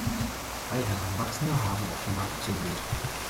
Drei Heranwachsende haben offenbar gezündelt.